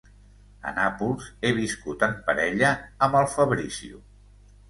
A Nàpols, he viscut en parella, amb el Fabrizio.